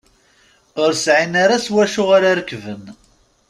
Ur sεin ara s wacu ara rekben.